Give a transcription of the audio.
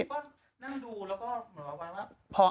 นั่งดูแล้วก็เหมือนว่า